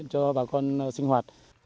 có hai mùa